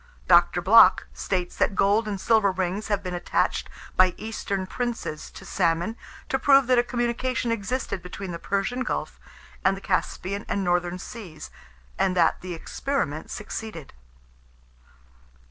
Dr. Bloch states that gold and silver rings have been attached by eastern princes to salmon, to prove that a communication existed between the Persian Gulf and the Caspian and Northern Seas, and that the experiment succeeded.